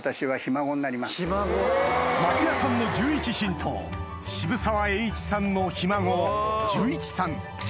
松也さんの１１親等渋沢栄一さんのひ孫寿一さん